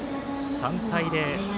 ３対０。